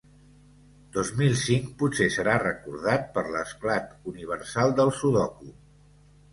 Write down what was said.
Dos mil cinc potser serà recordat per l'esclat universal del sudoku.